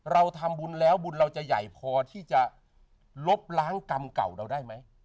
เราทำบุญแล้วบุญเราจะใหญ่พอที่จะลบล้างกรรมเก่าเราได้ไหม